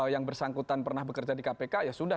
yang bersangkutan pernah bekerja di kpk ya sudah